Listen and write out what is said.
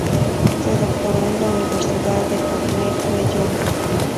Se doctoró en la Universidad de Carnegie Mellon.